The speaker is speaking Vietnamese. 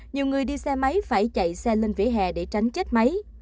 nhiều người đi xe máy phải chạy xe lên vỉa hè để tránh chết máy